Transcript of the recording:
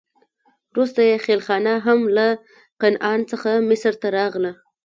وروسته یې خېلخانه هم له کنعان څخه مصر ته راغله.